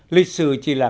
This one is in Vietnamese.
lịch sử chỉ là